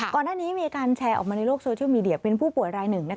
ก่อนหน้านี้มีการแชร์ออกมาในโลกโซเชียลมีเดียเป็นผู้ป่วยรายหนึ่ง